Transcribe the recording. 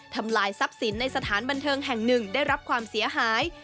ทำลายทรัพย์สินในสถานบันเทิงแห่งหนึ่งได้รับความเสียหาย